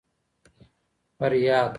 فریاد